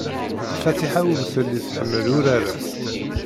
Fatiḥa ur telli tḥemmel urar-a.